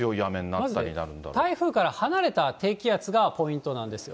まず、台風から離れた低気圧がポイントなんですよ。